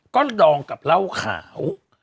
ก็ดองกับเหล้าขาว